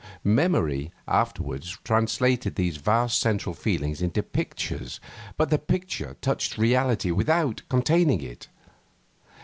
Memory afterwards translated these vast central feelings into pictures, but the pictures touched reality without containing it.